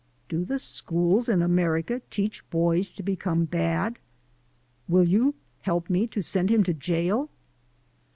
Do the schools in America teach boys to become bad? Will you help me to send him to jail?"